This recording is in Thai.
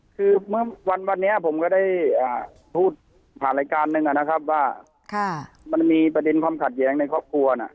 คือเมื่อวันนี้ผมก็ได้พูดผ่านรายการหนึ่งนะครับว่ามันมีประเด็นความขัดแย้งในครอบครัวน่ะ